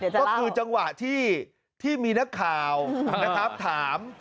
ก็คือจังหวะที่ที่มีนักข่าวถาม